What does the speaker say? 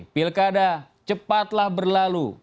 pilkada cepatlah berlalu